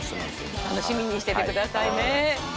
楽しみにしててくださいね。